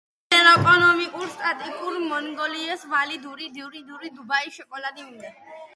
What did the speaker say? შედის ეკონომიკურ-სტატისტიკურ მიკრორეგიონ ვალი-დუ-რიუ-დუს-ბოისის შემადგენლობაში.